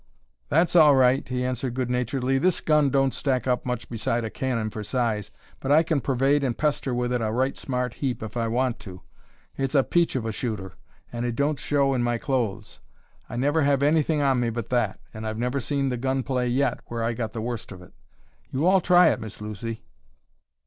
"That's all right," he answered good naturedly. "This gun don't stack up much beside a cannon for size, but I can pervade and pester with it a right smart heap if I want to. It's a peach of a shooter, and it don't show in my clothes. I never have anything on me but that, and I've never seen the gun play yet where I got the worst of it. You all try it, Miss Lucy."